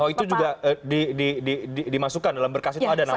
oh itu juga dimasukkan dalam berkas itu ada namanya